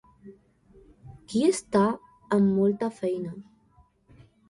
Qui està amb molta feina?